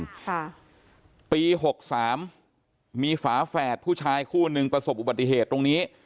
ค่ะปีหกสามมีฝาแฝดผู้ชายคู่หนึ่งประสบอุบัติเหตุตรงนี้